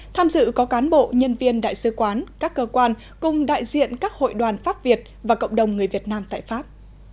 tham dự có cán bộ nhân viên đại sứ quán các cơ quan cùng đại diện các hội đoàn pháp việt và cộng đồng người việt nam tại pháp